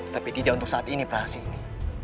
tapi tidak untuk saat ini prasini